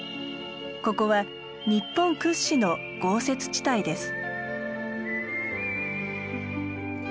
ここは日本屈指の豪雪地帯です。